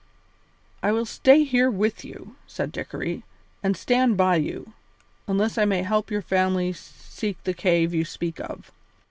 "I will stay here with you," said Dickory, "and stand by you, unless I may help your family seek the cave you speak of."